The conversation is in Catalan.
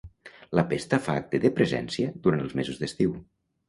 La pesta fa acte de presència durant els mesos d'estiu.